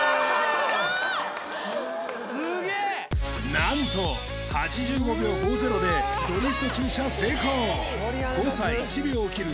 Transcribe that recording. なんと８５秒５０でドリフト駐車成功！